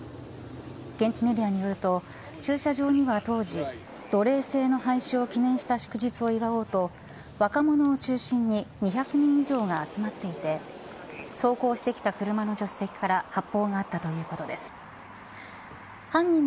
現地メディアによると、駐車場には当時、奴隷制の廃止を記念した祝日を祝おうと、若者を中心に２００人以上が集まっていて、走行してきた車の助手席から発砲があったということです。